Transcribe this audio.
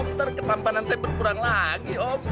ntar ketampanan saya berkurang lagi om